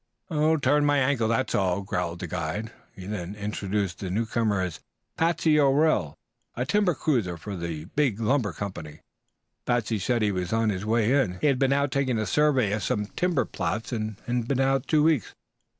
"Turned my ankle, that's all," growled the guide. He then introduced the newcomer as Patsey O'Rell, a timber cruiser for a big lumber company. Patsey said he was on his way in. He had been out taking a survey of some timber plots and had been out two weeks.